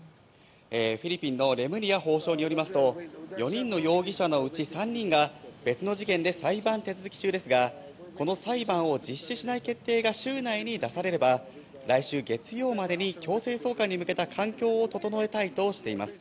フィリピンのレムリヤ法相によりますと４人の容疑者のうち３人が別の事件で裁判手続き中ですがこの裁判を実施しない決定が週内に出されれば来週月曜までに強制送還に向けた環境を整えたいとしています。